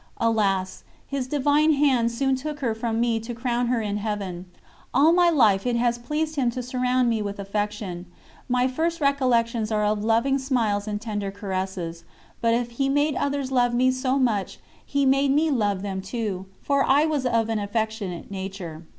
Alas! His Divine Hand soon took her from me to crown her in Heaven. All my life it has pleased Him to surround me with affection. My first recollections are of loving smiles and tender caresses; but if He made others love me so much, He made me love them too, for I was of an affectionate nature.